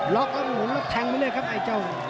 ล็อคเชิงแล้วทั้งที่แล้วครับไอจ้าว